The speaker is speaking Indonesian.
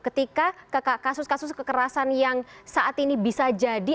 ketika kasus kasus kekerasan yang saat ini bisa jadi